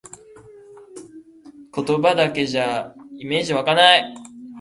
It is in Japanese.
言葉だけじゃイメージわかない